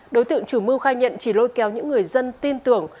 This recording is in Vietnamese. đối tượng chủ mưu khai nhận chỉ lôi kéo những người dân tin tưởng